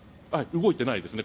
動いてないですね。